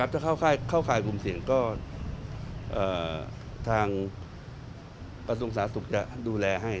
ถ้าเข้าค่ายภูมิเสียงก็ทางประสงสาธุ์ศุกร์จะดูแลให้